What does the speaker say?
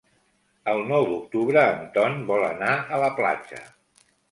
El nou d'octubre en Ton vol anar a la platja.